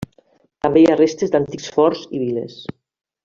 També hi ha restes d'antics forts i viles.